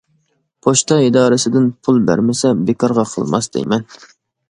پوچتا ئىدارىسىدىن پۇل بەرمىسە بىكارغا قىلماس دەيمەن.